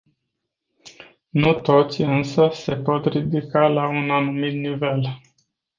Nu toți însă se pot ridica la un anumit nivel.